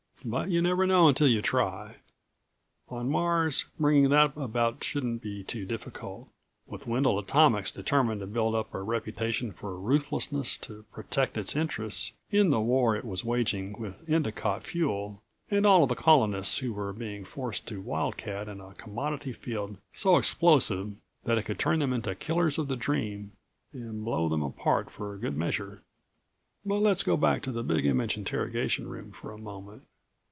But you never know until you try. On Mars bringing that about shouldn't be too difficult ... with Wendel Atomics determined to build up a reputation for ruthlessness to protect its interests in the war it was waging with Endicott Fuel and all of the colonists who were being forced to wildcat in a commodity field so explosive that it could turn them into killers of the dream and blow them apart for good measure. But let's go back to the Big Image interrogation room for a moment.